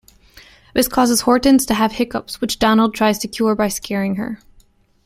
This causes Hortense to have hiccups which Donald tries to cure by scaring her.